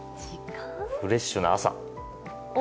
フレッシュな朝。